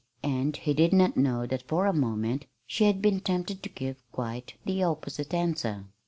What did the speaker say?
And he did not know that for a moment she had been tempted to give quite the opposite answer.